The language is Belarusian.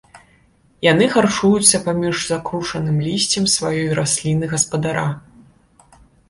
Яны харчуюцца паміж закручаным лісцем сваёй расліны-гаспадара.